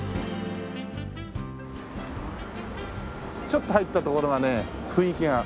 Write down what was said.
ちょっと入ったところがね雰囲気が。